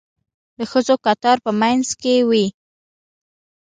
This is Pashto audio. د ښځو کتار به په منځ کې وي.